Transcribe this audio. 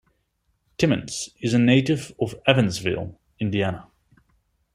Timmons is a native of Evansville, Indiana.